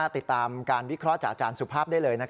ติดตามการวิเคราะห์จากอาจารย์สุภาพได้เลย